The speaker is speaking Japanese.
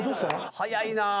早いなあ。